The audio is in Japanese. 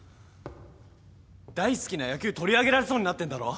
大好きな野球取り上げられそうになってんだろ！